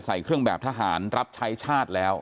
ใส่เครื่องแบบทหารรับใช้ชาติแล้ว